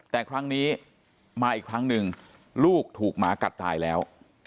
แต่ครั้งนี้มาอีกครั้งหนึ่งลูกถูกหมากัดตายแล้ว